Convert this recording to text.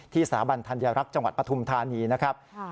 สถาบันธัญรักษ์จังหวัดปฐุมธานีนะครับ